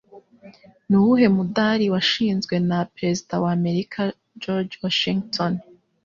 Nuwuhe mudari washinzwe na perezida w’Amerika George Washington